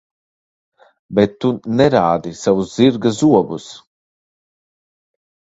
Bet tu nerādi savus zirga zobus.